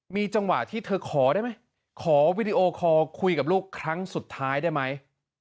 มีจังหวะที่เธอขอได้ไหมขอวีดีโอคอลคุยกับลูกครั้งสุดท้ายได้ไหม